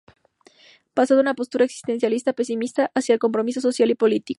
Pasó de una postura existencialista pesimista hacia el compromiso social y político.